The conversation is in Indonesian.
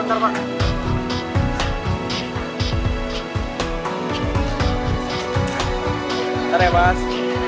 sebentar ya bas